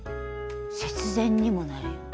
節電にもなるよね。